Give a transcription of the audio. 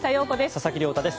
佐々木亮太です。